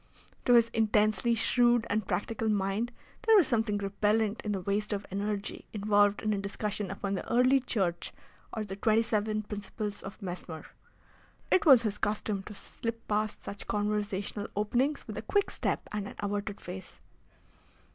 To his intensely shrewd and practical mind there was something repellent in the waste of energy involved in a discussion upon the Early Church or the twenty seven principles of Mesmer. It was his custom to slip past such conversational openings with a quick step and an averted face.